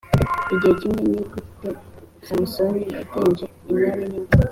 igihe kimwe ni gute samusoni yagenje intare nini